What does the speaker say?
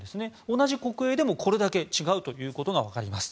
同じ国営でもこれだけ違うということが分かります。